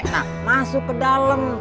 nah masuk ke dalem